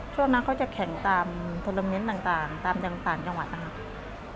ช่วงนั้นเขาจะแข่งตามโทรเมนต์ต่างตามต่างจังหวัดนะครับ